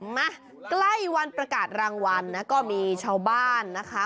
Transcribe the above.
มาใกล้วันประกาศรางวัลนะก็มีชาวบ้านนะคะ